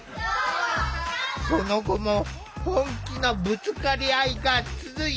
その後も本気のぶつかり合いが続いた。